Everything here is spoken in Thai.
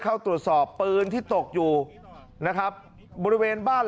อำเภอโพธาราม